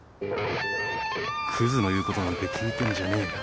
クズの言うことなんて聞いてんじゃねえよ。